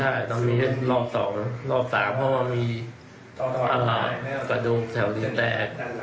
ใช่ต้องมีรอบสองรอบสามเพราะมันมีอาหารกระดูกแถวนี้แตก